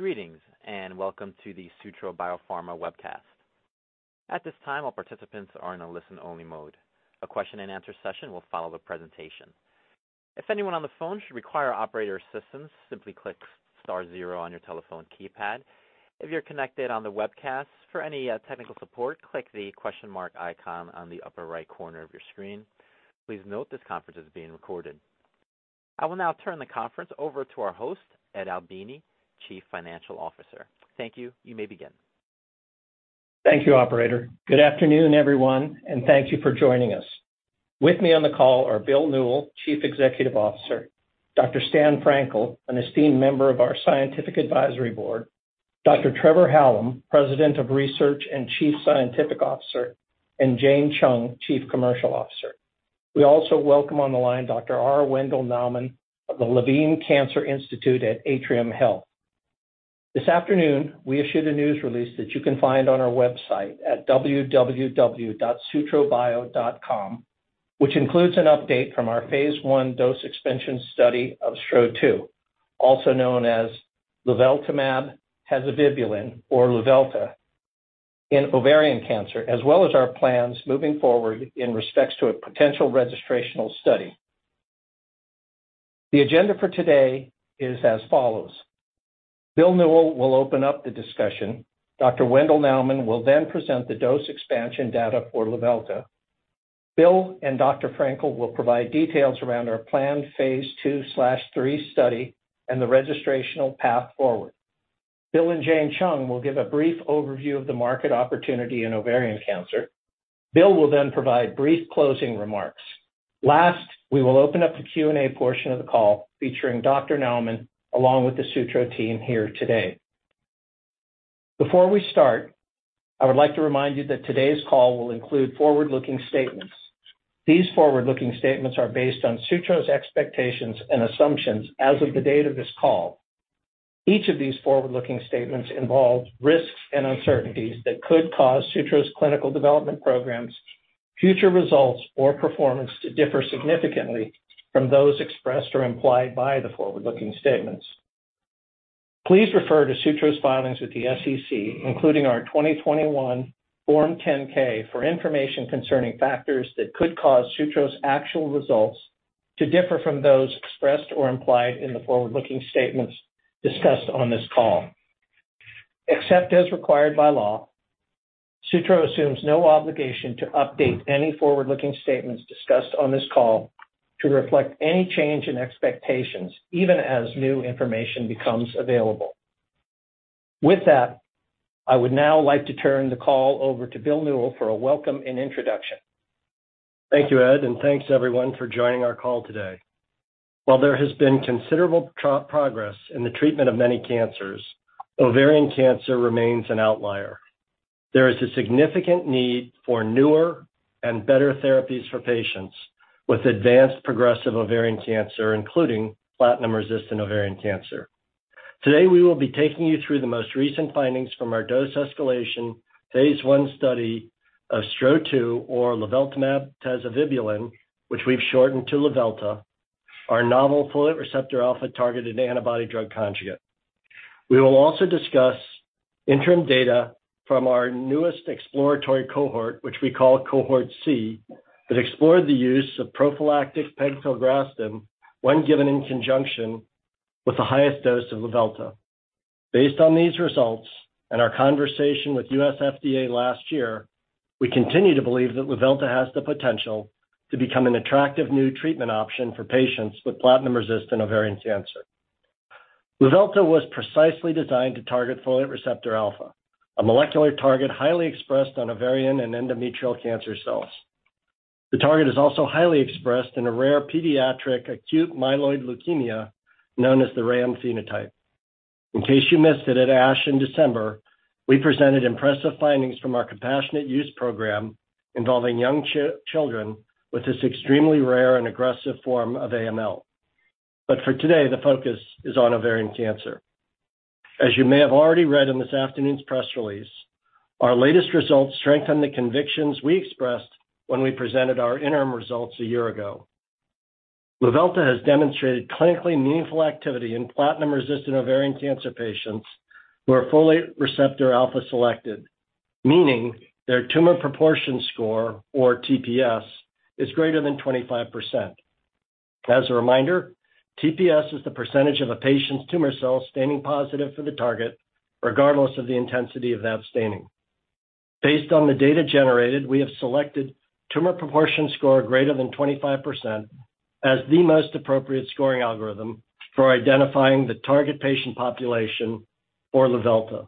Greetings, welcome to the Sutro Biopharma webcast. At this time, all participants are in a listen-only mode. A question-and-answer session will follow the presentation. If anyone on the phone should require operator assistance, simply click star zero on your telephone keypad. If you're connected on the webcast, for any technical support, click the question mark icon on the upper right corner of your screen. Please note this conference is being recorded. I will now turn the conference over to our host, Ed Albini, Chief Financial Officer. Thank you. You may begin. Thank you, Operator. Good afternoon, everyone, and thank you for joining us. With me on the call are Bill Newell, Chief Executive Officer, Dr. Stan Frankel, an esteemed member of our Scientific Advisory Board, Dr. Trevor Hallam, President of Research and Chief Scientific Officer, and Jane Chung, Chief Commercial Officer. We also welcome on the line Dr. R. Wendel Naumann of the Levine Cancer Institute at Atrium Health. This afternoon, we issued a news release that you can find on our website at www.sutrobio.com, which includes an update from our phase I dose expansion study of STRO-002, also known as luveltamab tazevibulin or Luvelta, in ovarian cancer, as well as our plans moving forward in respects to a potential registrational study. The agenda for today is as follows. Bill Newell will open up the discussion. Dr. Wendel Naumann will present the dose expansion data for Luvelta. Bill and Dr. Frankel will provide details around our planned phase II/III study and the registrational path forward. Bill and Jane Chung will give a brief overview of the market opportunity in ovarian cancer. Bill will then provide brief closing remarks. We will open up the Q&A portion of the call featuring Dr. Naumann along with the Sutro team here today. Before we start, I would like to remind you that today's call will include forward-looking statements. These forward-looking statements are based on Sutro's expectations and assumptions as of the date of this call. Each of these forward-looking statements involve risks and uncertainties that could cause Sutro's clinical development programs, future results, or performance to differ significantly from those expressed or implied by the forward-looking statements. Please refer to Sutro's filings with the SEC, including our 2021 Form 10-K, for information concerning factors that could cause Sutro's actual results to differ from those expressed or implied in the forward-looking statements discussed on this call. Except as required by law, Sutro assumes no obligation to update any forward-looking statements discussed on this call to reflect any change in expectations, even as new information becomes available. With that, I would now like to turn the call over to Bill Newell for a welcome and introduction. Thank you, Ed, and thanks everyone for joining our call today. While there has been considerable progress in the treatment of many cancers, ovarian cancer remains an outlier. There is a significant need for newer and better therapies for patients with advanced progressive ovarian cancer, including platinum-resistant ovarian cancer. Today, we will be taking you through the most recent findings from our dose escalation phase I study of STRO-002 or luveltamab tazevibulin, which we've shortened to Luvelta, our novel folate-receptor alpha-targeted antibody drug conjugate. We will also discuss interim data from our newest exploratory cohort, which we call Cohort C, that explored the use of prophylactic pegfilgrastim when given in conjunction with the highest dose of Luvelta. Based on these results and our conversation with U.S. FDA last year, we continue to believe that Luvelta has the potential to become an attractive new treatment option for patients with platinum-resistant ovarian cancer. Luvelta was precisely designed to target folate-receptor alpha, a molecular target highly expressed on ovarian and endometrial cancer cells. The target is also highly expressed in a rare pediatric acute myeloid leukemia known as the RAM phenotype. In case you missed it at ASH in December, we presented impressive findings from our compassionate use program involving young children with this extremely rare and aggressive form of AML. For today, the focus is on ovarian cancer. As you may have already read in this afternoon's press release, our latest results strengthen the convictions we expressed when we presented our interim results a year ago. Luvelta has demonstrated clinically meaningful activity in platinum-resistant ovarian cancer patients who are folate-receptor alpha-selected, meaning their tumor proportion score or TPS is greater than 25%. As a reminder, TPS is the percentage of a patient's tumor cells staining positive for the target regardless of the intensity of that staining. Based on the data generated, we have selected tumor proportion score greater than 25% as the most appropriate scoring algorithm for identifying the target patient population for Luvelta.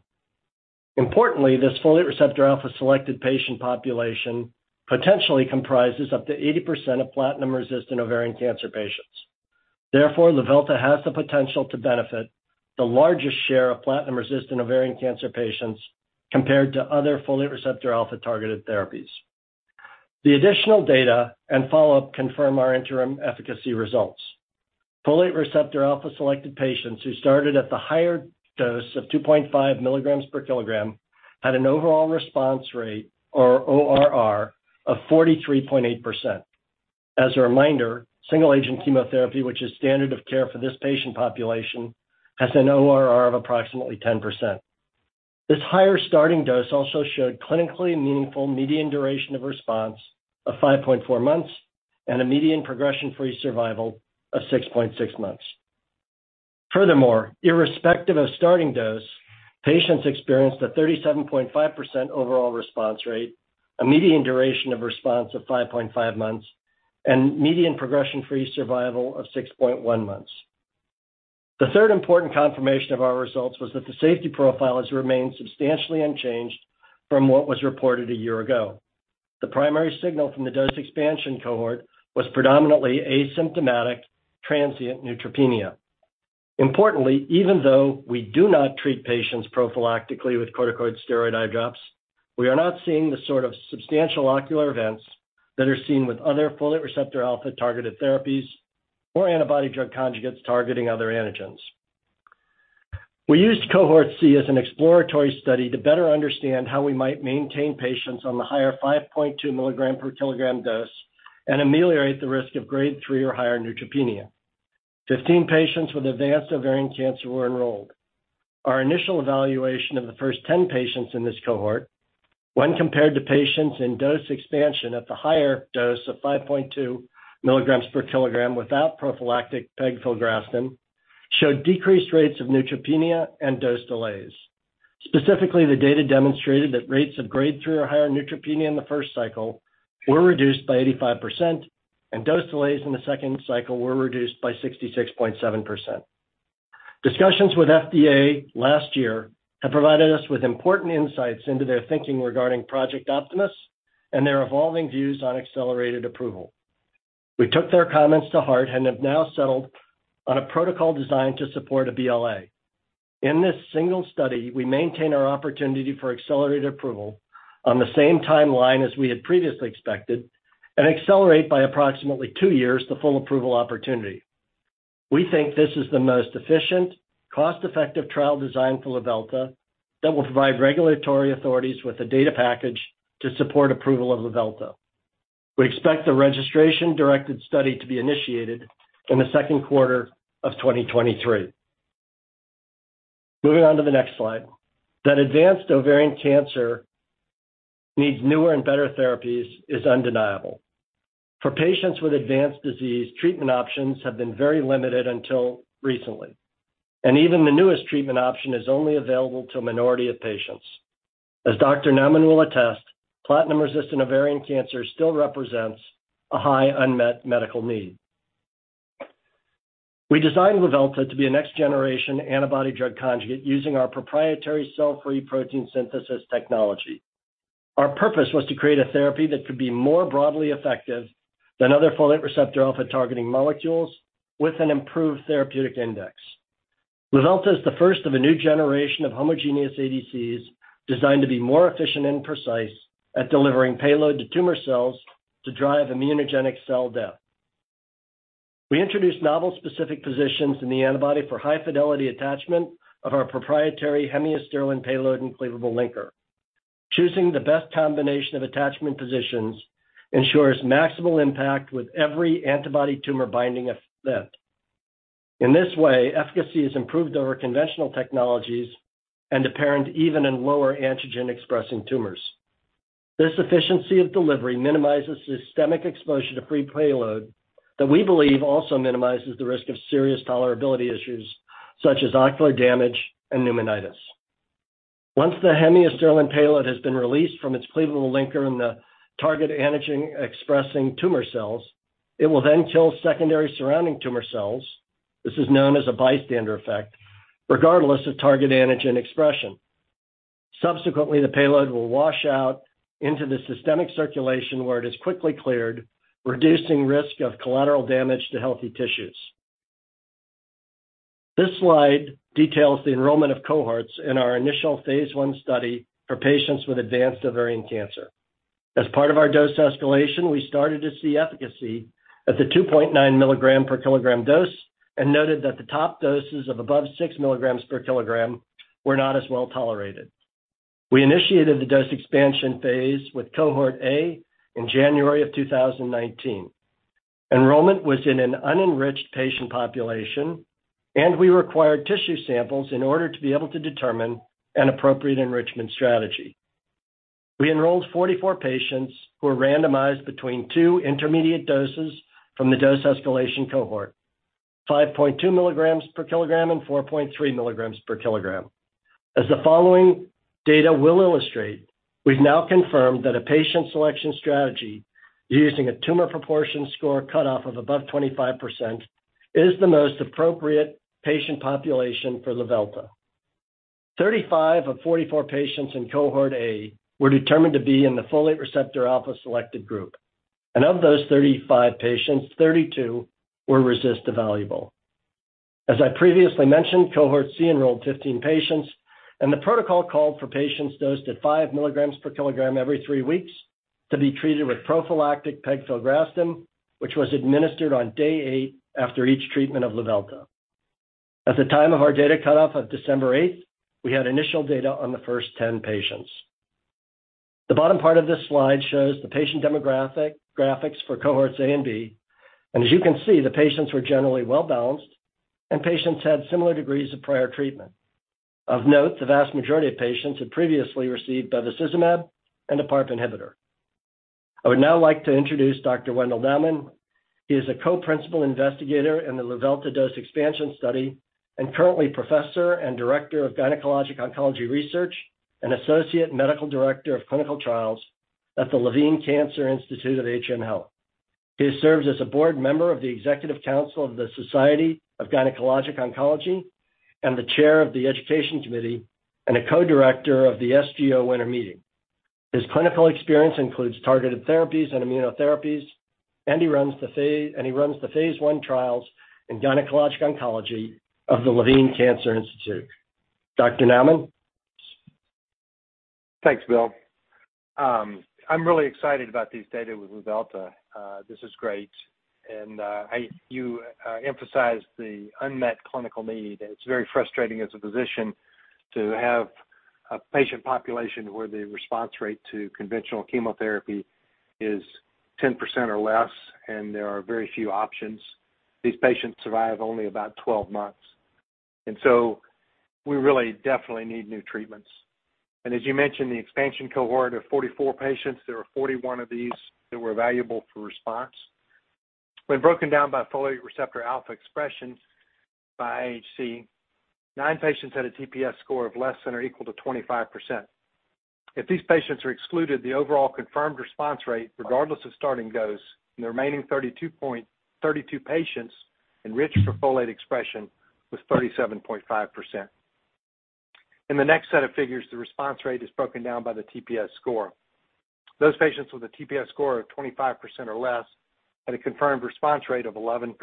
Importantly, this folate-receptor alpha-selected patient population potentially comprises up to 80% of platinum-resistant ovarian cancer patients. Therefore, Luvelta has the potential to benefit the largest share of platinum-resistant ovarian cancer patients compared to other folate-receptor alpha-targeted therapies. The additional data and follow-up confirm our interim efficacy results. Folate-receptor alpha-selected patients who started at the higher dose of 2.5 mg/kg had an overall response rate or ORR of 43.8%. As a reminder, single-agent chemotherapy, which is standard of care for this patient population, has an ORR of approximately 10%. This higher starting dose also showed clinically meaningful median duration of response of 5.4 months and a median progression-free survival of 6.6 months. Furthermore, irrespective of starting dose, patients experienced a 37.5% overall response rate, a median duration of response of 5.5 months, and median progression-free survival of 6.1 months. The third important confirmation of our results was that the safety profile has remained substantially unchanged from what was reported a year ago. The primary signal from the dose expansion cohort was predominantly asymptomatic transient neutropenia. Importantly, even though we do not treat patients prophylactically with corticosteroid eye drops, we are not seeing the sort of substantial ocular events that are seen with other folate-receptor alpha-targeted therapies or antibody drug conjugates targeting other antigens. We used Cohort C as an exploratory study to better understand how we might maintain patients on the higher 5.2 mg/kg dose and ameliorate the risk of grade 3 or higher neutropenia. Fifteen patients with advanced ovarian cancer were enrolled. Our initial evaluation of the first 10 patients in this cohort, when compared to patients in dose expansion at the higher dose of 5.2 mg/kg without prophylactic pegfilgrastim, showed decreased rates of neutropenia and dose delays. Specifically, the data demonstrated that rates of grade 3 or higher neutropenia in the first cycle were reduced by 85%, and dose delays in the second cycle were reduced by 66.7%. Discussions with FDA last year have provided us with important insights into their thinking regarding Project Optimus and their evolving views on accelerated approval. We took their comments to heart and have now settled on a protocol designed to support a BLA. In this single study, we maintain our opportunity for accelerated approval on the same timeline as we had previously expected and accelerate by approximately two years the full approval opportunity. We think this is the most efficient, cost-effective trial design for Luvelta that will provide regulatory authorities with the data package to support approval of Luvelta. We expect the registration-directed study to be initiated in the second quarter of 2023. Moving on to the next slide. That advanced ovarian cancer needs newer and better therapies is undeniable. For patients with advanced disease, treatment options have been very limited until recently, and even the newest treatment option is only available to a minority of patients. As Dr. Naumann will attest, platinum-resistant ovarian cancer still represents a high unmet medical need. We designed Luvelta to be a next generation antibody drug conjugate using our proprietary cell-free protein synthesis technology. Our purpose was to create a therapy that could be more broadly effective than other folate-receptor alpha-targeting molecules with an improved therapeutic index. Luvelta is the first of a new generation of homogeneous ADCs designed to be more efficient and precise at delivering payload to tumor cells to drive immunogenic cell death. We introduced novel specific positions in the antibody for high-fidelity attachment of our proprietary hemiacetal and payload-cleavable linker. Choosing the best combination of attachment positions ensures maximal impact with every antibody-tumor binding event. In this way, efficacy is improved over conventional technologies and apparent even in lower antigen-expressing tumors. This efficiency of delivery minimizes systemic exposure to free payload that we believe also minimizes the risk of serious tolerability issues such as ocular damage and pneumonitis. Once the hemiacetal payload has been released from its cleavable linker in the target antigen-expressing tumor cells, it will then kill secondary surrounding tumor cells, this is known as a bystander effect, regardless of target antigen expression. Subsequently, the payload will wash out into the systemic circulation where it is quickly cleared, reducing risk of collateral damage to healthy tissues. This slide details the enrollment of cohorts in our initial phase I study for patients with advanced ovarian cancer. As part of our dose escalation, we started to see efficacy at the 2.9 mg/kg dose and noted that the top doses of above 6 mg/kg were not as well tolerated. We initiated the dose expansion phase with Cohort A in January of 2019. Enrollment was in an unenriched patient population, and we required tissue samples in order to be able to determine an appropriate enrichment strategy. We enrolled 44 patients who were randomized between two intermediate doses from the dose escalation cohort, 5.2 mg/kg and 4.3 mg/kg. As the following data will illustrate, we've now confirmed that a patient selection strategy using a tumor proportion score cutoff of above 25% is the most appropriate patient population for Luvelta. Thirty-five of 44 patients in Cohort A were determined to be in the folate-receptor alpha-selected group, and of those 35 patients, 32 were RECIST evaluable. As I previously mentioned, Cohort C enrolled 15 patients, and the protocol called for patients dosed at 5 mg/kg every three weeks to be treated with prophylactic pegfilgrastim, which was administered on day eight after each treatment of Luvelta. At the time of our data cutoff of December 8th, we had initial data on the first 10 patients. The bottom part of this slide shows the patient demographic-graphics for Cohorts A and B, and as you can see, the patients were generally well balanced, and patients had similar degrees of prior treatment. Of note, the vast majority of patients had previously received bevacizumab and a PARP inhibitor. I would now like to introduce Dr. Wendel Naumann. He is a co-principal investigator in the Luvelta dose expansion study and currently Professor and Director of Gynecologic Oncology Research and Associate Medical Director of Clinical Trials at the Levine Cancer Institute of Atrium Health. He serves as a board member of the Executive Council of the Society of Gynecologic Oncology and the Chair of the Education Committee and a Co-director of the SGO Winter Meeting. His clinical experience includes targeted therapies and immunotherapies, and he runs the phase I trials in gynecologic oncology of the Levine Cancer Institute. Dr. Naumann? Thanks, Bill. I'm really excited about these data with Luvelta. This is great. You emphasize the unmet clinical need, and it's very frustrating as a physician to have a patient population where the response rate to conventional chemotherapy is 10% or less, and there are very few options. These patients survive only about 12 months. We really definitely need new treatments. As you mentioned, the expansion cohort of 44 patients, there were 41 of these that were valuable for response. When broken down by folate-receptor alpha expressions by IHC, nine patients had a TPS score of less than or equal to 25%. If these patients are excluded, the overall confirmed response rate, regardless of starting dose in the remaining 32 patients enriched for folate expression was 37.5%. In the next set of figures, the response rate is broken down by the TPS score. Those patients with a TPS score of 25% or less had a confirmed response rate of 11%.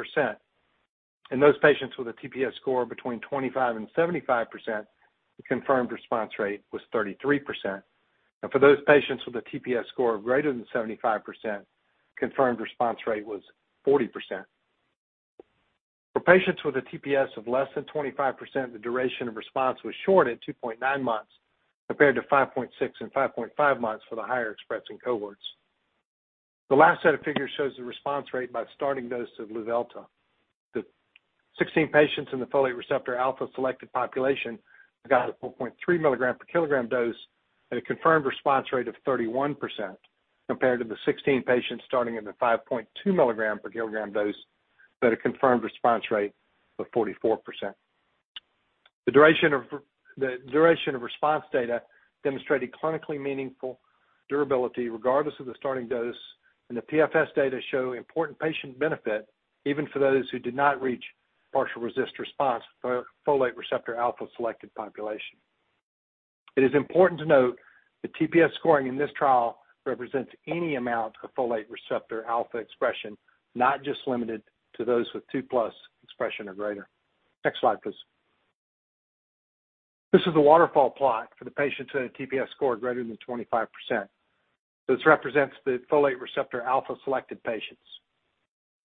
In those patients with a TPS score between 25% and 75%, the confirmed response rate was 33%. For those patients with a TPS score of greater than 75%, confirmed response rate was 40%. For patients with a TPS of less than 25%, the duration of response was short at 2.9 months, compared to 5.6 and 5.5 months for the higher expressing cohorts. The last set of figures shows the response rate by starting dose of Luvelta. The 16 patients in the folate-receptor alpha-selected population got a 4.3 mg/kg dose at a confirmed response rate of 31%, compared to the 16 patients starting at the 5.2 mg/kg dose, but a confirmed response rate of 44%. The duration of response data demonstrated clinically meaningful durability regardless of the starting dose, and the PFS data show important patient benefit even for those who did not reach partial RECIST response for folate-receptor alpha-selected population. It is important to note the TPS scoring in this trial represents any amount of folate-receptor alpha expression, not just limited to those with 2+ expression or greater. Next slide, please. This is a waterfall plot for the patients who had a TPS score greater than 25%. This represents the folate-receptor alpha-selected patients.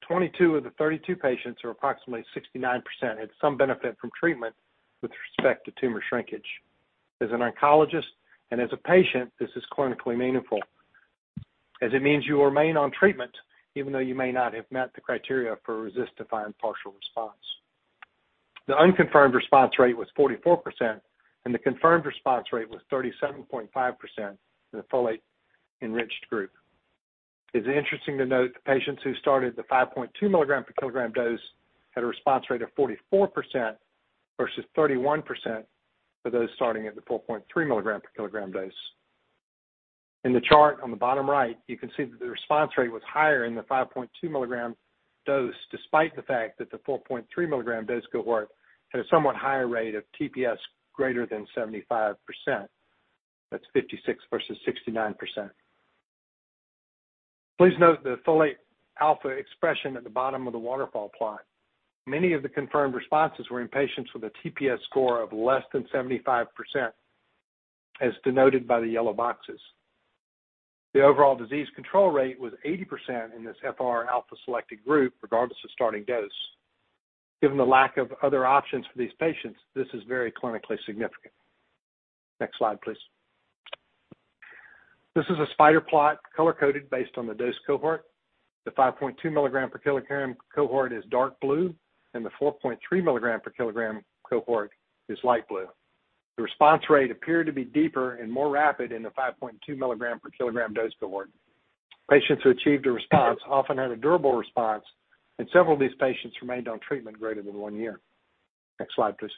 Twenty-two of the 32 patients or approximately 69%, had some benefit from treatment with respect to tumor shrinkage. As an oncologist and as a patient, this is clinically meaningful, as it means you remain on treatment even though you may not have met the criteria for RECIST-defined partial response. The unconfirmed response rate was 44%, and the confirmed response rate was 37.5% in the folate-enriched group. It's interesting to note the patients who started the 5.2 mg/kg dose had a response rate of 44% versus 31% for those starting at the 4.3 mg/kg dose. In the chart on the bottom right, you can see that the response rate was higher in the 5.2 mg dose, despite the fact that the 4.3 mg dose cohort had a somewhat higher rate of TPS greater than 75%. That's 56% versus 69%. Please note the folate alpha expression at the bottom of the waterfall plot. Many of the confirmed responses were in patients with a TPS score of less than 75%, as denoted by the yellow boxes. The overall disease control rate was 80% in this FR alpha selected group, regardless of starting dose. Given the lack of other options for these patients, this is very clinically significant. Next slide, please. This is a spider plot color-coded based on the dose cohort. The 5.2 mg/kg cohort is dark blue, and the 4.3 mg/kg cohort is light blue. The response rate appeared to be deeper and more rapid in the 5.2 mg/kg dose cohort. Patients who achieved a response often had a durable response, and several of these patients remained on treatment greater than one year. Next slide, please.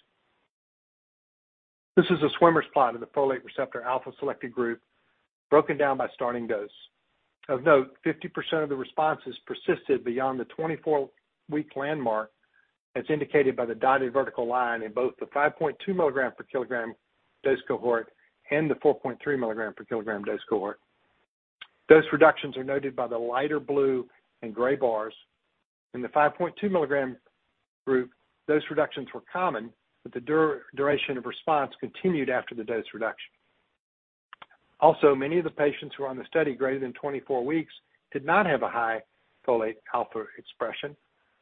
This is a swimmer's plot of the folate-receptor alpha-selected group, broken down by starting dose. Of note, 50% of the responses persisted beyond the 24-week landmark, as indicated by the dotted vertical line in both the 5.2 mg/kg dose cohort and the 4.3 mg/kg dose cohort. Those reductions are noted by the lighter blue and gray bars. In the 5.2 mg group, those reductions were common, but the duration of response continued after the dose reduction. Also, many of the patients who are on the study greater than 24 weeks did not have a high folate-receptor alpha expression,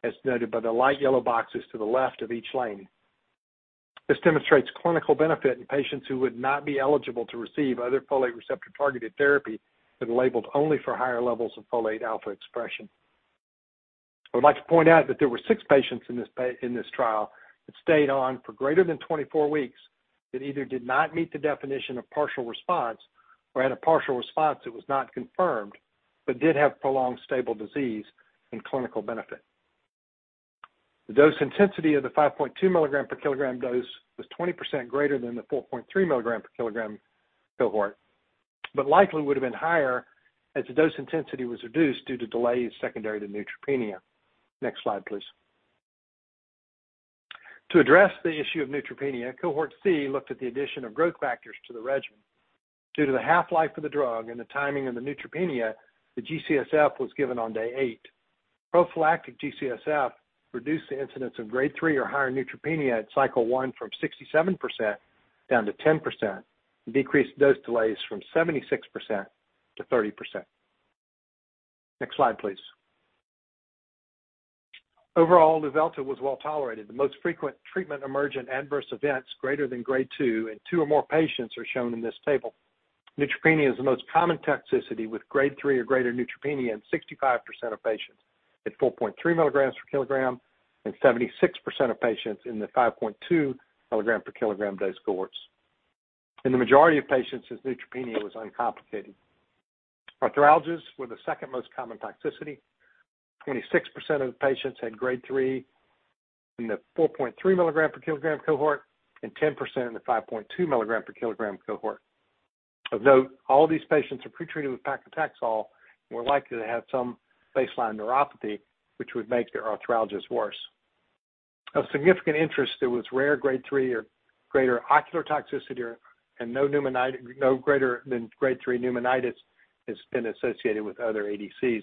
as noted by the light yellow boxes to the left of each lane. This demonstrates clinical benefit in patients who would not be eligible to receive other folate-receptor-targeted therapy that are labeled only for higher levels of folate-receptor alpha expression. I would like to point out that there were six patients in this trial that stayed on for greater than 24 weeks that either did not meet the definition of partial response or had a partial response that was not confirmed but did have prolonged stable disease and clinical benefit. The dose intensity of the 5.2 mg/kg dose was 20% greater than the 4.3 mg/kg cohort, but likely would have been higher as the dose intensity was reduced due to delays secondary to neutropenia. Next slide, please. To address the issue of neutropenia, Cohort C looked at the addition of growth factors to the regimen. Due to the half-life of the drug and the timing of the neutropenia, the G-CSF was given on day eight. Prophylactic G-CSF reduced the incidence of grade 3 or higher neutropenia at cycle one from 67% down to 10% and decreased dose delays from 76% to 30%. Next slide, please. Overall, Luvelta was well tolerated. The most frequent treatment-emergent adverse events greater than grade 2 in two or more patients are shown in this table. Neutropenia is the most common toxicity, with grade three or greater neutropenia in 65% of patients mg/kg and 76% of patients in the 5.2 mg/kg dose cohorts. In the majority of patients, this neutropenia was uncomplicated. Arthralgias were the second most common toxicity. 26% of the patients had grade three in the 4.3 mg/kg cohort and 10% in the 5.2 mg/kg cohort. Of note, all these patients are pretreated with paclitaxel and were likely to have some baseline neuropathy, which would make their arthralgias worse. Of significant interest, there was rare grade three or greater ocular toxicity and no greater than grade 3 pneumonitis that's been associated with other ADCs.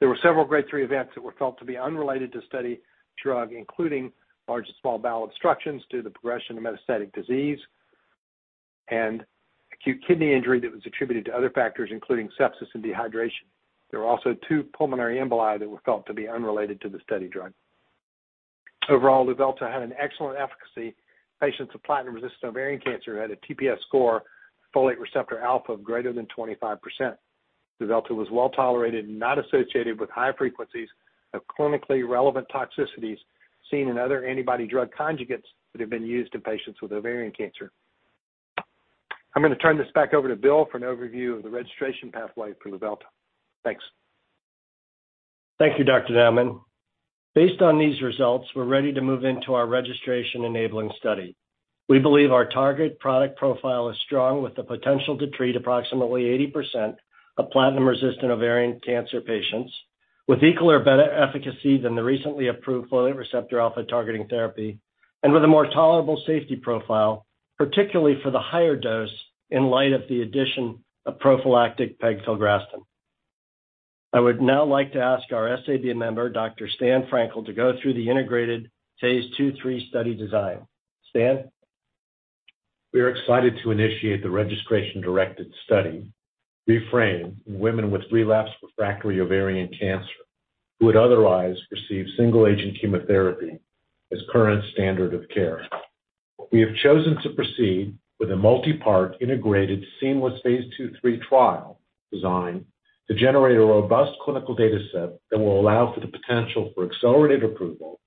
There were several grade three events that were felt to be unrelated to study drug, including large and small bowel obstructions due to the progression of metastatic disease and acute kidney injury that was attributed to other factors, including sepsis and dehydration. There were also two pulmonary emboli that were felt to be unrelated to the study drug. Overall, Luvelta had an excellent efficacy in patients with platinum-resistant ovarian cancer who had a TPS score folate-receptor alpha of greater than 25%. Luvelta was well-tolerated and not associated with high frequencies of clinically relevant toxicities seen in other antibody drug conjugates that have been used in patients with ovarian cancer. I'm going to turn this back over to Bill for an overview of the registration pathway for Luvelta. Thanks. Thank you, Dr. Naumann. Based on these results, we're ready to move into our registration-enabling study. We believe our target product profile is strong with the potential to treat approximately 80% of platinum-resistant ovarian cancer patients with equal or better efficacy than the recently approved folate-receptor alpha-targeting therapy and with a more tolerable safety profile, particularly for the higher dose in light of the addition of prophylactic pegfilgrastim. I would now like to ask our SAB member, Dr. Stan Frankel, to go through the integrated phase II/III study design. Stan? We are excited to initiate the registration-directed study, REFRaME, in women with relapsed refractory ovarian cancer who would otherwise receive single-agent chemotherapy as current standard of care. We have chosen to proceed with a multi-part, integrated, seamless phase II/III trial design to generate a robust clinical data set that will allow for the potential for accelerated approval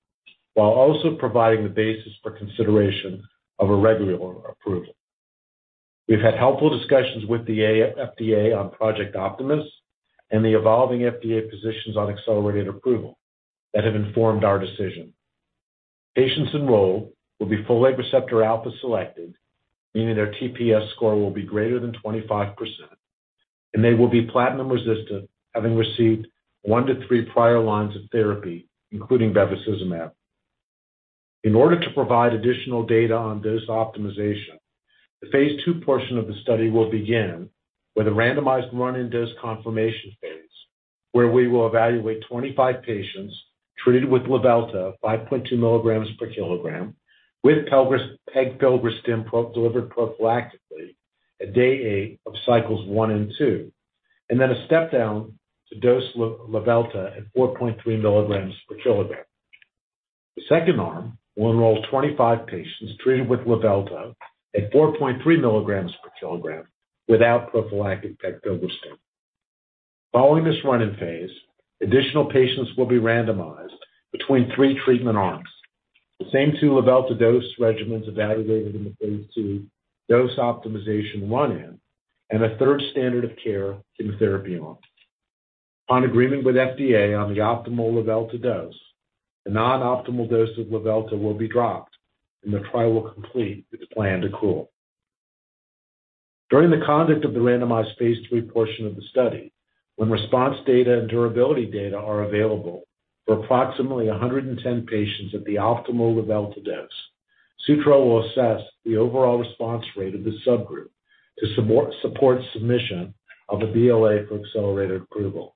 while also providing the basis for consideration of a regular approval. We've had helpful discussions with the FDA on Project Optimus and the evolving FDA positions on accelerated approval that have informed our decision. Patients enrolled will be folate-receptor alpha-selected, meaning their TPS score will be greater than 25%, and they will be platinum-resistant, having received one to three prior lines of therapy, including bevacizumab. In order to provide additional data on dose optimization, the phase II portion of the study will begin with a randomized run-in dose confirmation phase, where we will evaluate 25 patients treated with Luvelta 5.2 mg/kg, with pegfilgrastim delivered prophylactically at day eight of cycles one and two, and then a step-down to dose Luvelta at 4.3 mg/kg. The second arm will enroll 25 patients treated with Luvelta at 4.3 mg/kg without prophylactic pegfilgrastim. Following this run-in phase, additional patients will be randomized between three treatment arms. The same two Luvelta dose regimens evaluated in the phase II dose optimization run-in, and a third standard of care chemotherapy arm. Agreement with FDA on the optimal Luvelta dose, the non-optimal dose of Luvelta will be dropped, and the trial will complete its planned approval. During the conduct of the randomized phase III portion of the study, when response data and durability data are available for approximately 110 patients at the optimal Luvelta dose, Sutro will assess the overall response rate of the subgroup to support submission of a BLA for accelerated approval.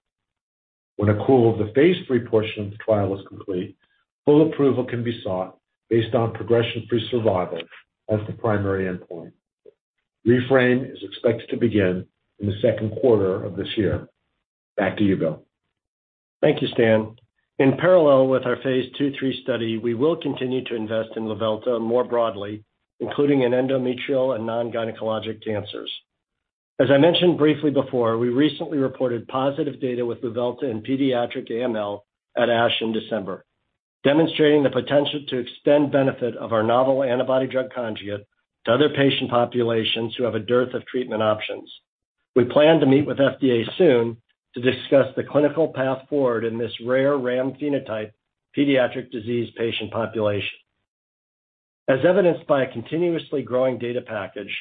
When approval of the phase III portion of the trial is complete, full approval can be sought based on progression-free survival as the primary endpoint. REFRaME is expected to begin in the second quarter of this year. Back to you, Bill. Thank you, Stan. In parallel with our phase II/III study, we will continue to invest in Luvelta more broadly, including in endometrial and non-gynecologic cancers. As I mentioned briefly before, we recently reported positive data with Luvelta in pediatric AML at ASH in December, demonstrating the potential to extend benefit of our novel antibody drug conjugate to other patient populations who have a dearth of treatment options. We plan to meet with FDA soon to discuss the clinical path forward in this rare RAM phenotype pediatric disease patient population. As evidenced by a continuously growing data package,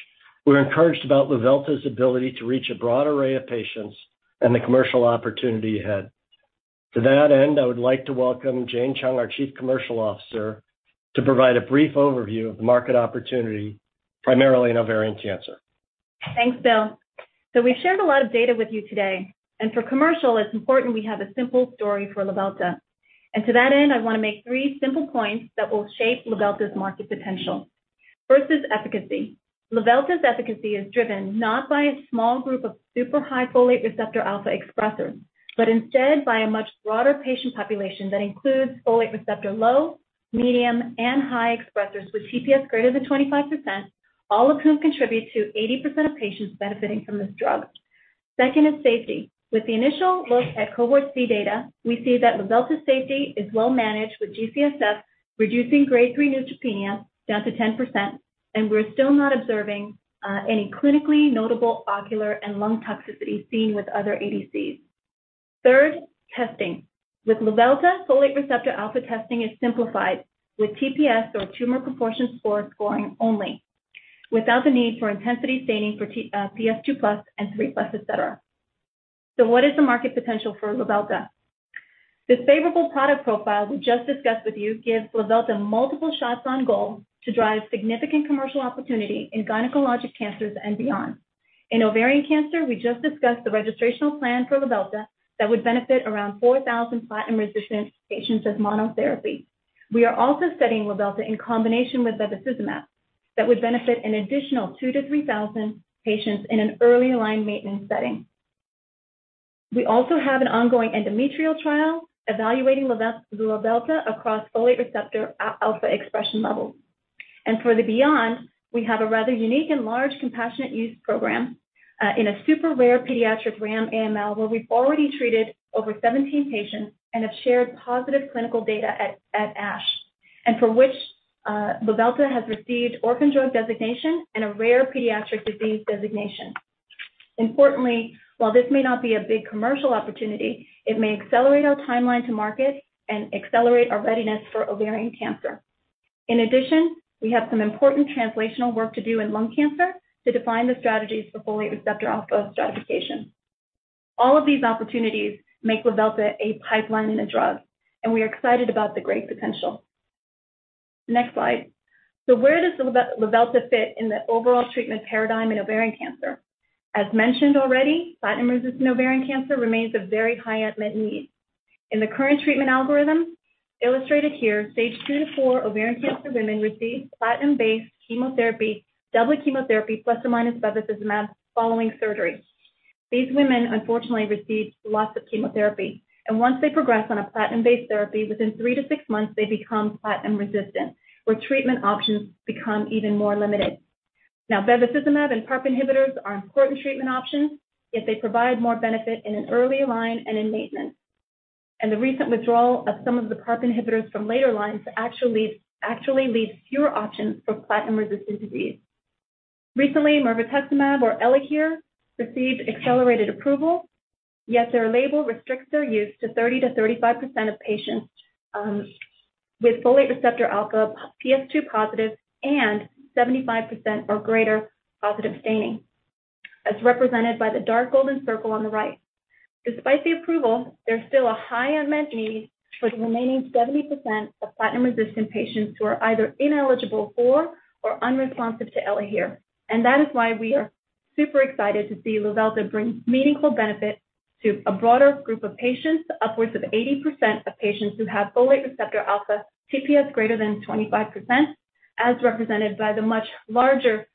we're encouraged about Luvelta's ability to reach a broad array of patients and the commercial opportunity ahead. To that end, I would like to welcome Jane Chung, our Chief Commercial Officer, to provide a brief overview of the market opportunity, primarily in ovarian cancer. Thanks, Bill. We've shared a lot of data with you today, and for commercial, it's important we have a simple story for Luvelta. To that end, I wanna make three simple points that will shape Luvelta's market potential. First is efficacy. Luvelta's efficacy is driven not by a small group of super high folate-receptor alpha expressers, but instead by a much broader patient population that includes folate-receptor low, medium, and high expressers with TPS greater than 25%, all of whom contribute to 80% of patients benefiting from this drug. Second is safety. With the initial look at Cohort C data, we see that Luvelta's safety is well managed with G-CSF, reducing grade 3 neutropenia down to 10%, and we're still not observing any clinically notable ocular and lung toxicity seen with other ADCs. Third, testing. With Luvelta, folate-receptor alpha testing is simplified with TPS or tumor proportion score scoring only, without the need for intensity staining for PS 2+ and 3+, et cetera. What is the market potential for Luvelta? This favorable product profile we just discussed with you gives Luvelta multiple shots on goal to drive significant commercial opportunity in gynecologic cancers and beyond. In ovarian cancer, we just discussed the registrational plan for Luvelta that would benefit around 4,000 platinum-resistant patients as monotherapy. We are also studying Luvelta in combination with bevacizumab that would benefit an additional 2,000-3,000 patients in an early line maintenance setting. We also have an ongoing endometrial trial evaluating Luvelta across folate-receptor alpha expression levels. For the beyond, we have a rather unique and large compassionate use program in a super rare pediatric RAM AML, where we've already treated over 17 patients and have shared positive clinical data at ASH. For which Luvelta has received orphan drug designation and a rare pediatric disease designation. Importantly, while this may not be a big commercial opportunity, it may accelerate our timeline to market and accelerate our readiness for ovarian cancer. In addition, we have some important translational work to do in lung cancer to define the strategies for folate- receptor alpha stratification. All of these opportunities make Luvelta a pipeline and a drug, and we are excited about the great potential. Next slide. Where does Luvelta fit in the overall treatment paradigm in ovarian cancer? As mentioned already, platinum-resistant ovarian cancer remains a very high unmet need. In the current treatment algorithm, illustrated here, stage II to IV ovarian cancer women receive platinum-based chemotherapy, double chemotherapy, plus or minus bevacizumab following surgery. These women unfortunately receive lots of chemotherapy, and once they progress on a platinum-based therapy, within three to six months, they become platinum-resistant, where treatment options become even more limited. Now, bevacizumab and PARP inhibitors are important treatment options if they provide more benefit in an earlier line and in maintenance. The recent withdrawal of some of the PARP inhibitors from later lines actually leaves fewer options for platinum-resistant disease. Recently, mirvetuximab or Elahere received accelerated approval, yet their label restricts their use to 30%-35% of patients with folate-receptor alpha PS 2+ and 75% or greater positive staining, as represented by the dark golden circle on the right. Despite the approval, there's still a high unmet need for the remaining 70% of platinum-resistant patients who are either ineligible for or unresponsive to Elahere. That is why we are super excited to see Luvelta bring meaningful benefit to a broader group of patients, upwards of 80% of patients who have folate-receptor alpha TPS greater than 25%, as represented by the much larger,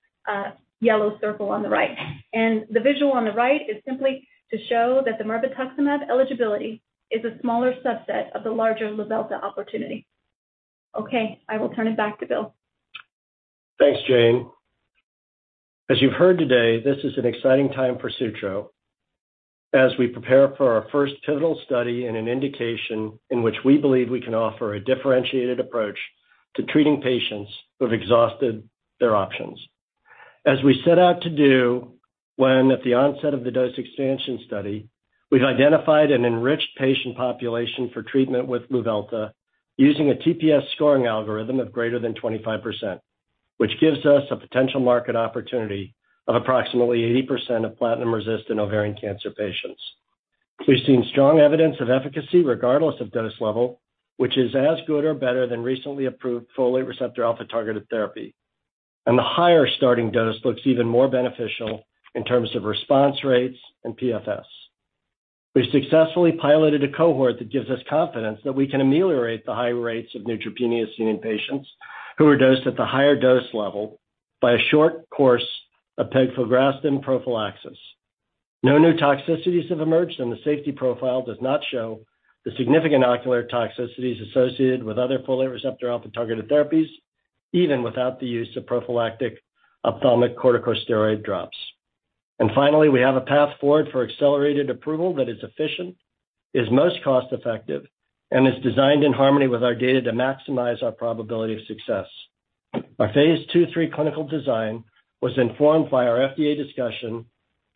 yellow circle on the right. The visual on the right is simply to show that the mirvetuximab eligibility is a smaller subset of the larger Luvelta opportunity. Okay, I will turn it back to Bill. Thanks, Jane. As you've heard today, this is an exciting time for Sutro as we prepare for our first pivotal study in an indication in which we believe we can offer a differentiated approach to treating patients who have exhausted their options. As we set out to do when at the onset of the dose expansion study, we've identified an enriched patient population for treatment with Luvelta using a TPS scoring algorithm of greater than 25%, which gives us a potential market opportunity of approximately 80% of platinum-resistant ovarian cancer patients. We've seen strong evidence of efficacy regardless of dose level, which is as good or better than recently approved folate-receptor alpha-targeted therapy. The higher starting dose looks even more beneficial in terms of response rates and PFS. We successfully piloted a cohort that gives us confidence that we can ameliorate the high rates of neutropenia seen in patients who are dosed at the higher dose level by a short course of pegfilgrastim prophylaxis. No new toxicities have emerged, the safety profile does not show the significant ocular toxicities associated with other folate-receptor alpha-targeted therapies, even without the use of prophylactic ophthalmic corticosteroid drops. Finally, we have a path forward for accelerated approval that is efficient, is most cost-effective, and is designed in harmony with our data to maximize our probability of success. Our phase II/III clinical design was informed by our FDA discussion,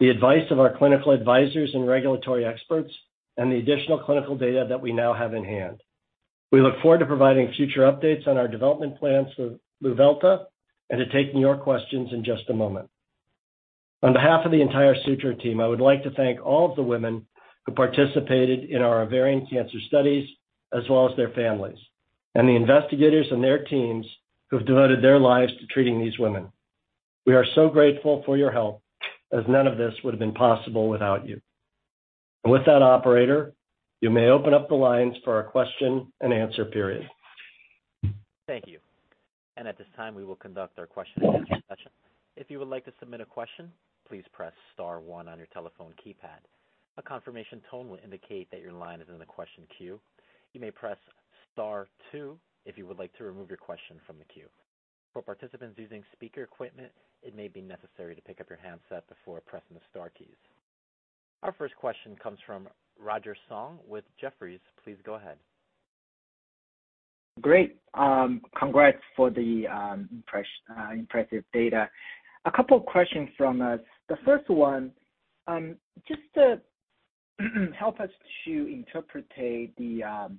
the advice of our clinical advisors and regulatory experts, and the additional clinical data that we now have in hand. We look forward to providing future updates on our development plans for Luvelta and to taking your questions in just a moment. On behalf of the entire Sutro team, I would like to thank all of the women who participated in our ovarian cancer studies, as well as their families, and the investigators and their teams who have devoted their lives to treating these women. We are so grateful for your help, as none of this would have been possible without you. With that, operator, you may open up the lines for our question-and-answer period. Thank you. At this time, we will conduct our question-and-answer session. If you would like to submit a question, please press star one on your telephone keypad. A confirmation tone will indicate that your line is in the question queue. You may press star two if you would like to remove your question from the queue. For participants using speaker equipment, it may be necessary to pick up your handset before pressing the star keys. Our first question comes from Roger Song with Jefferies. Please go ahead. Great. Congrats for the impressive data. A couple of questions from us. The first one, just to help us to interpret the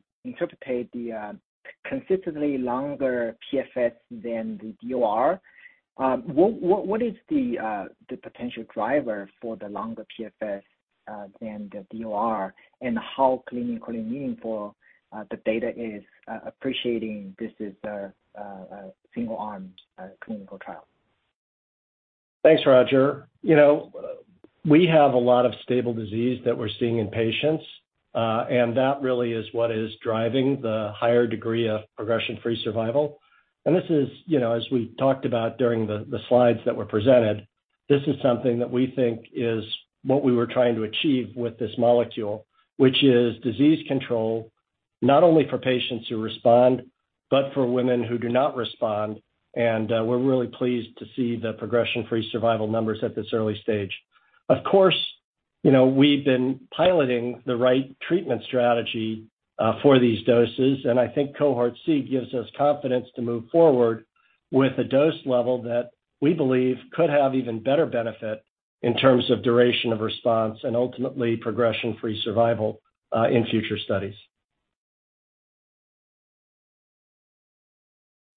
consistently longer PFS than the DOR. What is the potential driver for the longer PFS than the DOR? How clinically meaningful the data is appreciating this is a single-arm clinical trial? Thanks, Roger. You know, we have a lot of stable disease that we're seeing in patients, and that really is what is driving the higher degree of progression-free survival. This is, you know, as we talked about during the slides that were presented, this is something that we think is what we were trying to achieve with this molecule, which is disease control, not only for patients who respond, but for women who do not respond. We're really pleased to see the progression-free survival numbers at this early stage. Of course, you know, we've been piloting the right treatment strategy for these doses, and I think Cohort C gives us confidence to move forward with a dose level that we believe could have even better benefit in terms of duration of response and ultimately progression-free survival in future studies.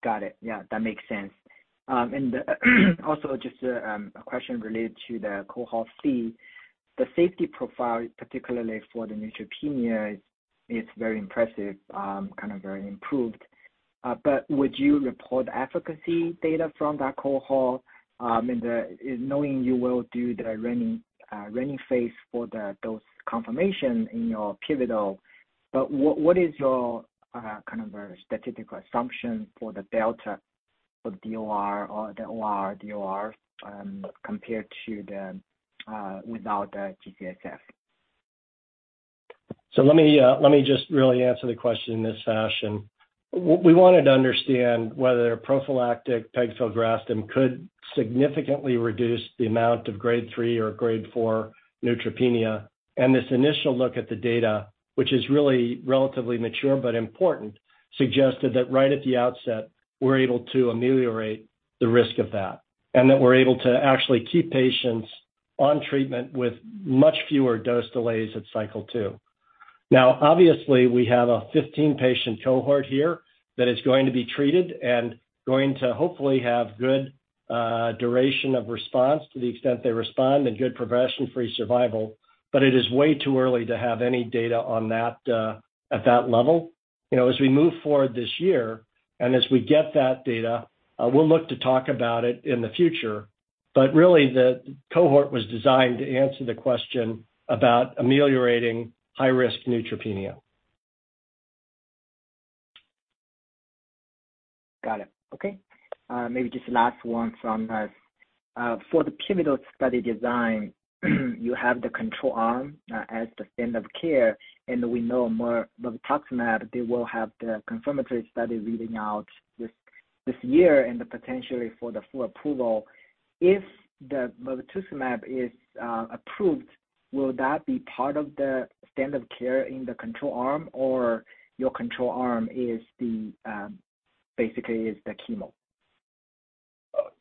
Got it. Yeah, that makes sense. And also just a question related to the Cohort C. The safety profile, particularly for the neutropenia, it's very impressive, kind of very improved. Would you report efficacy data from that cohort knowing you will do the running phase for the dose confirmation in your pivotal. What is your kind of statistical assumption for the delta of DOR or ORR, DOR compared to the without the G-CSF? Let me just really answer the question in this fashion. We wanted to understand whether prophylactic pegfilgrastim could significantly reduce the amount of grade 3 or grade 4 neutropenia. This initial look at the data, which is really relatively mature but important, suggested that right at the outset, we're able to ameliorate the risk of that and that we're able to actually keep patients on treatment with much fewer dose delays at cycle two. Obviously, we have a 15-patient cohort here that is going to be treated and going to hopefully have good duration of response to the extent they respond and good progression-free survival. It is way too early to have any data on that at that level. You know, as we move forward this year and as we get that data, we'll look to talk about it in the future. Really, the cohort was designed to answer the question about ameliorating high-risk neutropenia. Got it. Okay. Maybe just last one from us. For the pivotal study design, you have the control arm as the standard of care, we know more mirvetuximab, they will have the confirmatory study reading out this year and the potentially for the full approval. If the mirvetuximab is approved, will that be part of the standard of care in the control arm or your control arm basically is the chemo?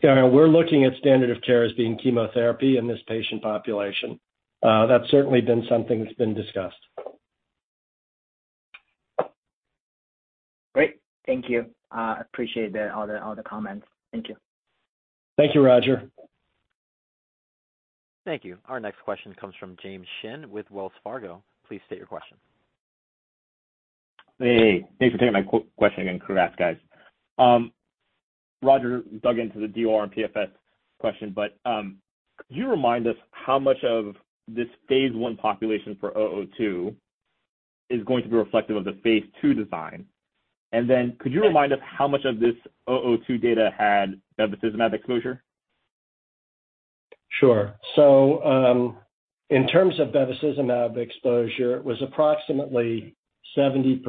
Yeah. We're looking at standard of care as being chemotherapy in this patient population. That's certainly been something that's been discussed. Great. Thank you. Appreciate all the comments. Thank you. Thank you, Roger. Thank you. Our next question comes from James Shin with Wells Fargo. Please state your question. Hey, thanks for taking my question again, congrats, guys. Roger dug into the DOR and PFS question, could you remind us how much of this phase I population for STRO-002 is going to be reflective of the phase II design? Could you remind us how much of this STRO-002 data had bevacizumab exposure? Sure. In terms of bevacizumab exposure, it was approximately 70%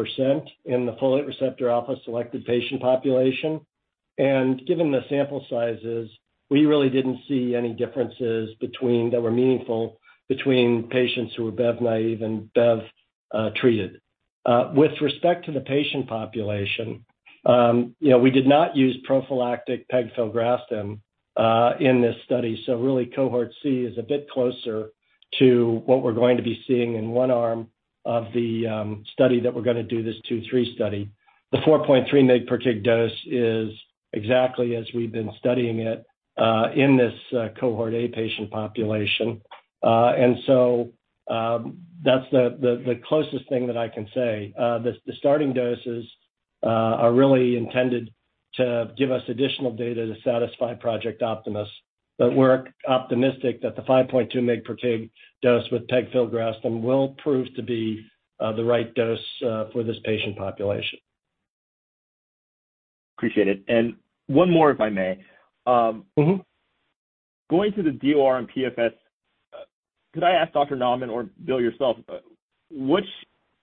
in the folate-receptor alpha selected patient population. Given the sample sizes, we really didn't see any differences that were meaningful between patients who were bev-naive and bev-treated. With respect to the patient population, you know, we did not use prophylactic pegfilgrastim in this study, so really, Cohort C is a bit closer to what we're going to be seeing in one arm of the study that we're gonna do, this II/III study. The 4.3 mg/kg dose is exactly as we've been studying it in this Cohort A patient population. That's the closest thing that I can say. The starting doses are really intended to give us additional data to satisfy Project Optimus, but we're optimistic that the 5.2 mg/kg dose with pegfilgrastim will prove to be the right dose for this patient population. Appreciate it. One more, if I may. Mm-hmm. Going to the DOR and PFS, could I ask Dr. Naumann or Bill yourself, which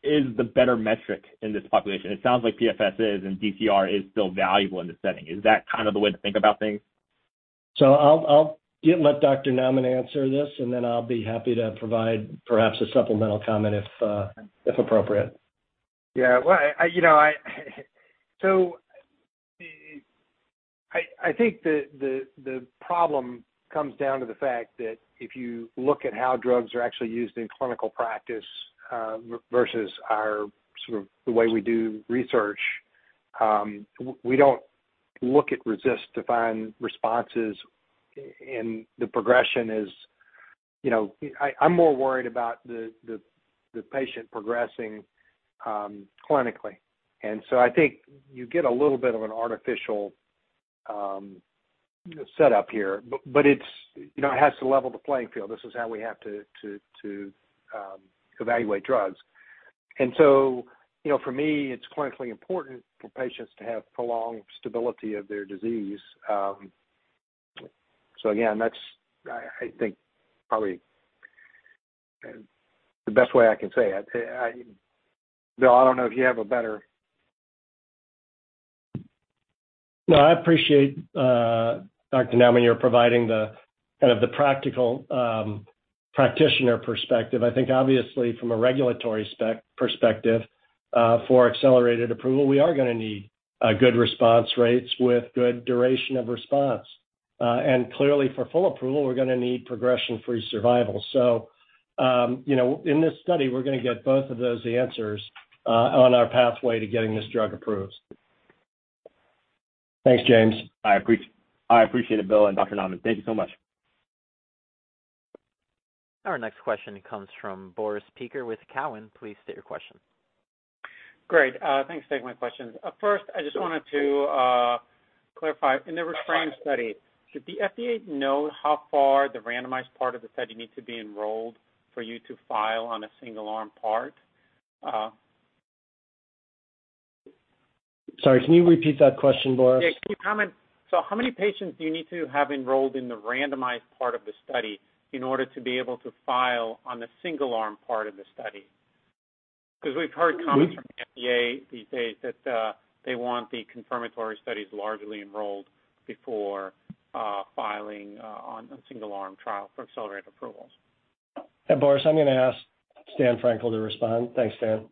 is the better metric in this population? It sounds like PFS is and DCR is still valuable in this setting. Is that kind of the way to think about things? I'll let Dr. Naumann answer this, and then I'll be happy to provide perhaps a supplemental comment if appropriate. Yeah. Well, you know, I think the problem comes down to the fact that if you look at how drugs are actually used in clinical practice, versus our sort of the way we do research, we don't look at RECIST-defined responses in the progression is, you know, I'm more worried about the patient progressing clinically. I think you get a little bit of an artificial setup here, but, you know, it has to level the playing field. This is how we have to evaluate drugs. You know, for me, it's clinically important for patients to have prolonged stability of their disease. Again, that's, I think, probably the best way I can say it. Bill, I don't know if you have better. No, I appreciate, Dr. Naumann, you're providing, kind of, the practical, practitioner perspective. I think obviously from a regulatory perspective, for accelerated approval, we are gonna need good response rates with good duration of response. Clearly for full approval, we're gonna need progression-free survival. You know, in this study, we're gonna get both of those answers on our pathway to getting this drug approved. Thanks, James. I appreciate it, Bill and Dr. Naumann. Thank you so much. Our next question comes from Boris Peaker with Cowen. Please state your question. Great. Thanks for taking my questions. First, I just wanted to clarify. In the REFRaME study, did the FDA know how far the randomized part of the study need to be enrolled for you to file on a single-arm part? Sorry, can you repeat that question, Boris? Yeah. How many patients do you need to have enrolled in the randomized part of the study in order to be able to file on the single-arm part of the study? Because we've heard comments from the FDA these days that, they want the confirmatory studies largely enrolled before filing on a single-arm trial for accelerated approvals. Yeah, Boris, I'm gonna ask Stan Frankel to respond. Thanks, Stan.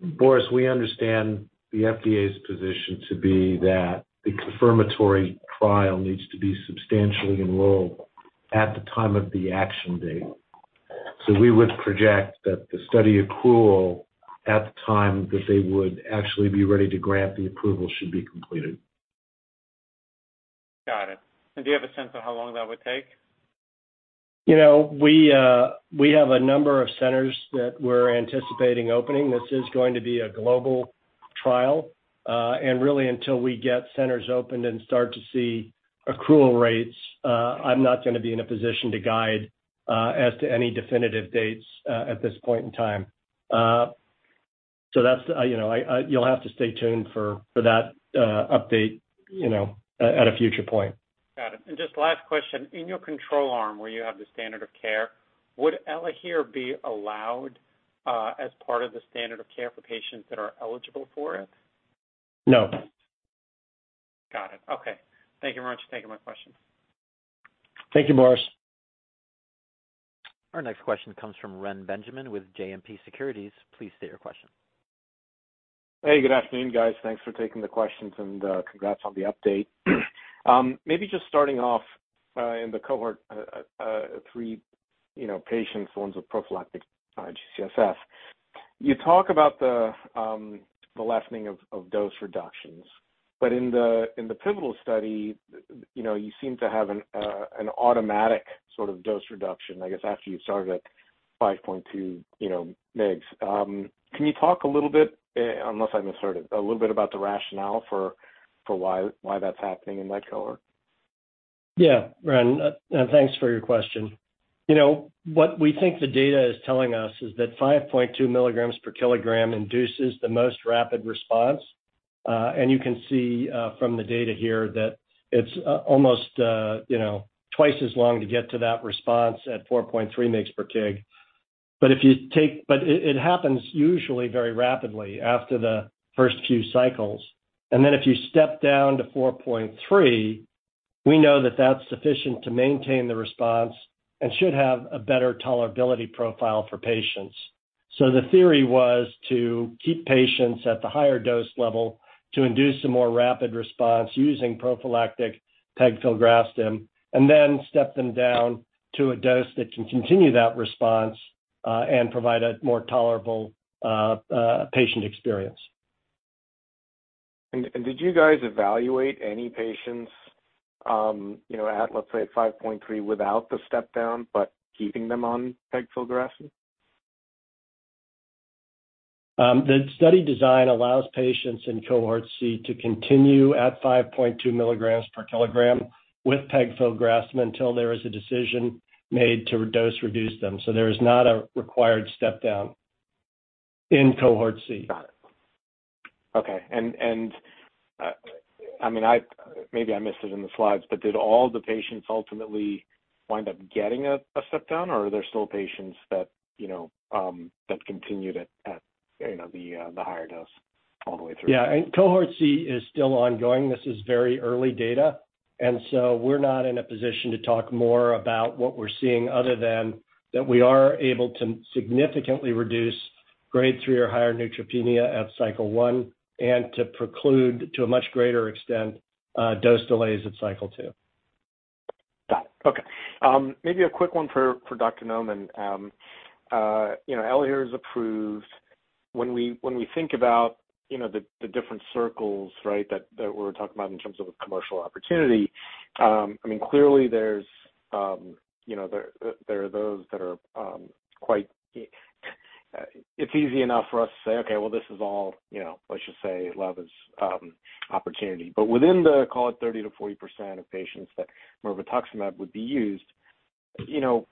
Boris, we understand the FDA's position to be that the confirmatory trial needs to be substantially enrolled at the time of the action date. We would project that the study accrual at the time that they would actually be ready to grant the approval should be completed. Got it. Do you have a sense of how long that would take? You know, we have a number of centers that we're anticipating opening. This is going to be a global trial. Really until we get centers opened and start to see accrual rates, I'm not gonna be in a position to guide as to any definitive dates at this point in time. You know, You'll have to stay tuned for that update, you know, at a future point. Got it. Just last question. In your control arm, where you have the standard of care, would Elahere be allowed as part of the standard of care for patients that are eligible for it? No. Got it. Okay. Thank you very much for taking my question. Thank you, Boris. Our next question comes from Reni Benjamin with JMP Securities. Please state your question. Hey, good afternoon, guys. Thanks for taking the questions and congrats on the update. Maybe just starting off, in the cohort three, you know, patients, ones with prophylactic G-CSF. You talked about the lessening of dose reductions. In the pivotal study, you know, you seem to have an automatic sort of dose reduction, I guess, after you started at 5.2, you know, milligrams. Can you talk a little bit, unless I misheard it, a little bit about the rationale for why that's happening in that cohort? Yeah, Reni, thanks for your question. You know, what we think the data is telling us is milligrams per kilogram induces the most rapid response. You can see from the data here that it's almost, you know, twice as long to get to that response at 4.3 mg/kg. It happens usually very rapidly after the first few cycles. If you step down to 4.3, we know that that's sufficient to maintain the response and should have a better tolerability profile for patients. The theory was to keep patients at the higher dose level to induce a more rapid response using prophylactic pegfilgrastim, then step them down to a dose that can continue that response, and provide a more tolerable patient experience. Did you guys evaluate any patients, you know, let's say, at 5.3 without the step-down, but keeping them on pegfilgrastim? The study design allows patients in Cohort C to continue at 5.2 mg/kg with pegfilgrastim until there is a decision made to dose reduce them. There is not a required step down in Cohort C. Got it. Okay. I mean, maybe I missed it in the slides, but did all the patients ultimately wind up getting a step down, or are there still patients that, you know, that continued at, you know, the higher dose all the way through? Yeah. Cohort C is still ongoing. This is very early data. We're not in a position to talk more about what we're seeing other than that we are able to significantly reduce grade 3 or higher neutropenia at cycle one and to preclude to a much greater extent dose delays at cycle two. Got it. Okay. Maybe a quick one for Dr. Naumann. You know, Elahere is approved. When we think about, you know, the different circles, right, that we're talking about in terms of a commercial opportunity, I mean, clearly, you know, there are those that are quite, it's easy enough for us to say, okay, well, this is all, you know, I should say, Luvelta's opportunity. Within the, call it 30%-40% of patients that mirvetuximab would be used, you know,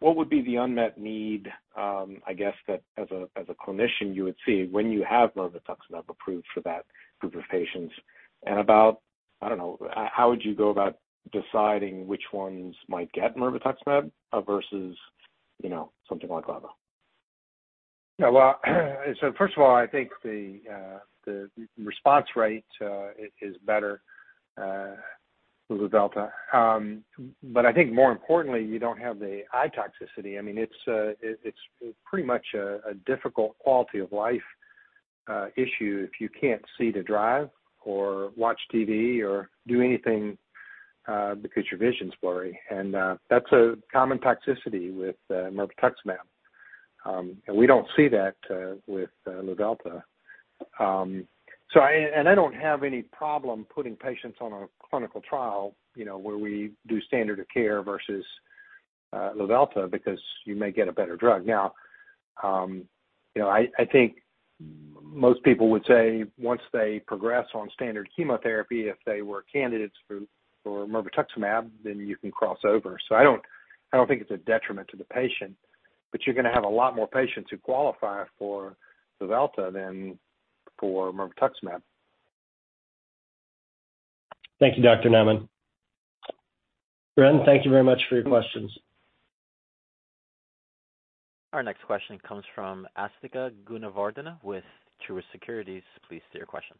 what would be the unmet need, I guess that as a clinician you would see when you have mirvetuximab approved for that group of patients? About, I don't know, how would you go about deciding which ones might get mirvetuximab, versus, you know, something like Luvelta? First of all, I think the response rate is better with Luvelta. I think more importantly, you don't have the eye toxicity. I mean, it's it's pretty much a difficult quality of life issue if you can't see to drive or watch TV or do anything because your vision's blurry. That's a common toxicity with mirvetuximab. We don't see that with Luvelta. I don't have any problem putting patients on a clinical trial, you know, where we do standard of care versus Luvelta because you may get a better drug. Now, you know, I think most people would say once they progress on standard chemotherapy, if they were candidates for mirvetuximab, then you can cross over. I don't think it's a detriment to the patient, but you're gonna have a lot more patients who qualify for Luvelta than for mirvetuximab. Thank you, Dr. Naumann. Reni, thank you very much for your questions. Our next question comes from Asthika Goonewardene with Truist Securities. Please state your question.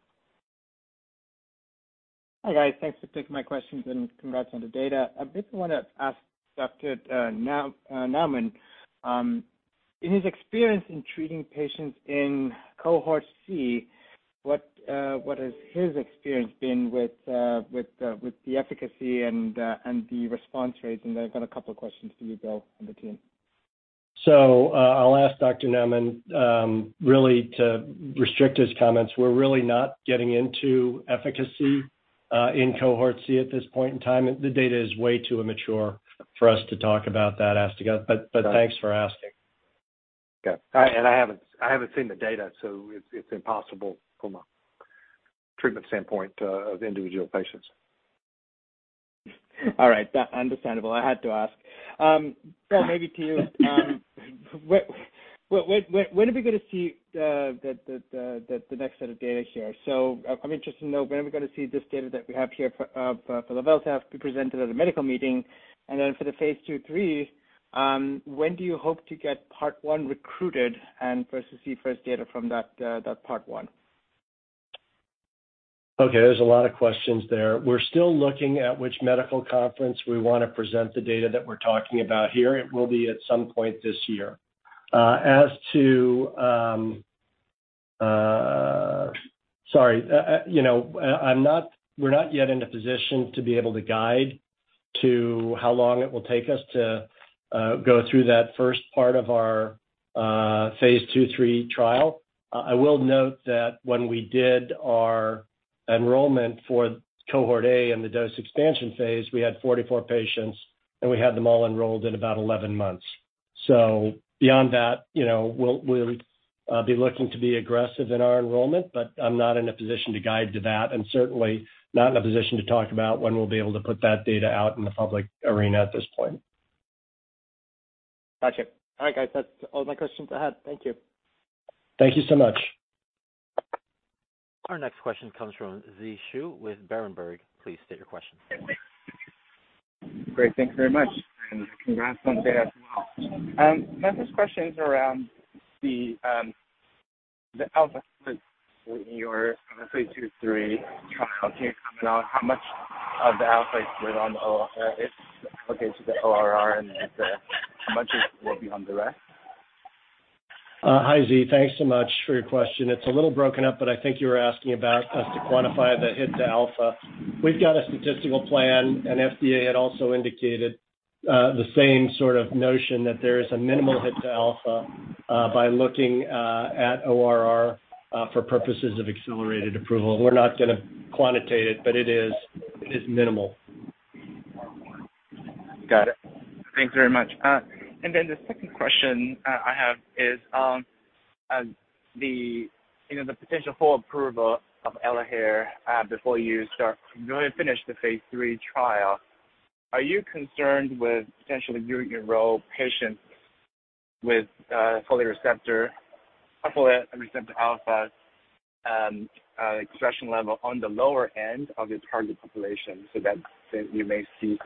Hi, guys. Thanks for taking my questions, and congrats on the data. I basically wanna ask Dr. Naumann, in his experience in treating patients in Cohort C, what has his experience been with the efficacy and the response rates? I've got a couple of questions for you, Bill, and the team. I'll ask Dr. Naumann really to restrict his comments. We're really not getting into efficacy in Cohort C at this point in time. The data is way too immature for us to talk about that, Asthika. Thanks for asking. Yeah. I haven't seen the data, so it's impossible from a treatment standpoint of individual patients. All right. That understandable. I had to ask. Bill, maybe to you. When are we gonna see the next set of data here? I'm interested to know, when are we gonna see this data that we have here for Luvelta to be presented at a medical meeting? For the phase II/III, when do you hope to get part one recruited and versus the first data from that part one? Okay, there's a lot of questions there. We're still looking at which medical conference we wanna present the data that we're talking about here. It will be at some point this year. Sorry. you know, We're not yet in a position to be able to guide to how long it will take us to go through that first part of our phase two-three trial. I will note that when we did our enrollment for cohort A in the dose expansion phase, we had 44 patients, and we had them all enrolled in about 11 months. Beyond that, you know, we'll be looking to be aggressive in our enrollment, but I'm not in a position to guide to that, and certainly not in a position to talk about when we'll be able to put that data out in the public arena at this point. Got you. All right, guys. That's all my questions I had. Thank you. Thank you so much. Our next question comes from Zhi Shu with Berenberg. Please state your question. Great. Thank you very much, and congrats on data as well. My first question is around the alpha in your phase II/III trial. Can you comment on how much of the alpha is put on the ORR and the how much of it will be on the rest? Hi, Zhi. Thanks so much for your question. It's a little broken up, but I think you were asking about us to quantify the hit to alpha. We've got a statistical plan. FDA had also indicated the same sort of notion that there is a minimal hit to alpha by looking at ORR for purposes of accelerated approval. We're not gonna quantitate it, but it is minimal. Got it. Thanks very much. The second question I have is, you know, the potential for approval of Elahere, before you finish the phase III trial. Are you concerned with potentially you enroll patients with folate-receptor alpha expression level on the lower end of your target population so that you may see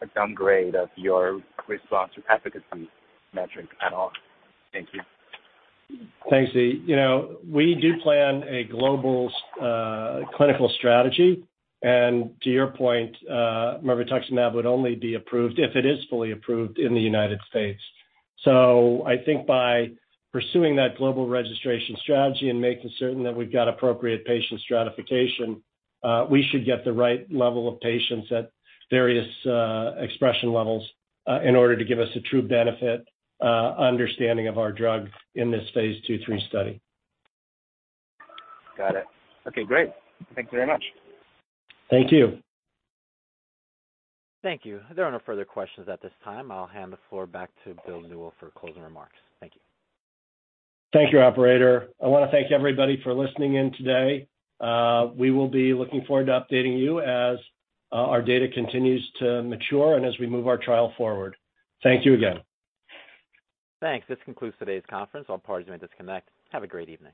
a downgrade of your response or efficacy metric at all? Thank you. Thanks, Zhi. You know, we do plan a global clinical strategy. To your point, mirvetuximab would only be approved if it is fully approved in the United States. I think by pursuing that global registration strategy and making certain that we've got appropriate patient stratification, we should get the right level of patients at various expression levels, in order to give us a true benefit, understanding of our drug in this phase II/III study. Got it. Okay, great. Thank you very much. Thank you. Thank you. There are no further questions at this time. I'll hand the floor back to Bill Newell for closing remarks. Thank you. Thank you, Operator. I wanna thank everybody for listening in today. We will be looking forward to updating you as our data continues to mature and as we move our trial forward. Thank you again. Thanks. This concludes today's conference. All parties may disconnect. Have a great evening.